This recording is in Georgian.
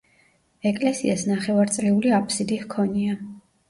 ეკლესიას ნახევარწრიული აფსიდი ჰქონია.